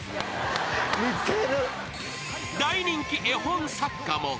［大人気絵本作家も］